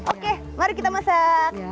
oke mari kita masak